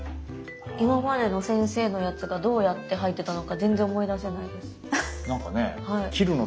今までの先生のやつがどうやって入ってたのか全然思い出せないです。